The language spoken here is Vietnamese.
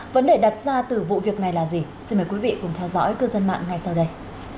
vấn đề đặt ra từ vụ việc này là gì xin mời quý vị cùng theo dõi cư dân mạng ngay sau đây